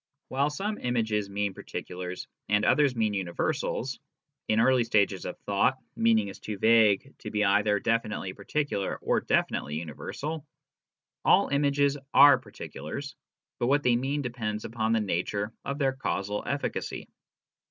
While some images mean particulars and others mean uni versals (in early stages of thought meaning is too vague to be either definitely particular or definitely universal), all images are particulars, but what they mean depends upon the nature of their causal efficacy.